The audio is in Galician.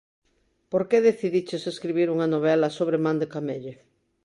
Por que decidiches escribir unha novela sobre Man de Camelle?